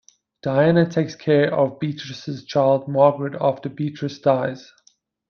Diana takes care of Beatrice's child Margaret after Beatrice dies.